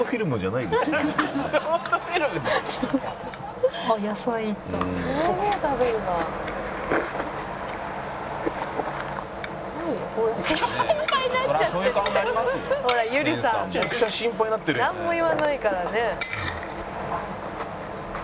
「なんも言わないからね」